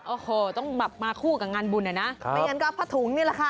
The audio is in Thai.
โอ้โหต้องมาคู่กับงานบุญเนี่ยนะไม่อย่างนั้นก็เอาผ้าถุงเนี่ยแหละค่ะ